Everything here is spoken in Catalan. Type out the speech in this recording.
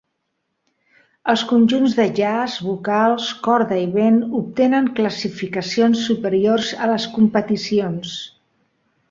Els conjunts de jazz, vocals, corda i vent obtenen classificacions superiors a les competicions.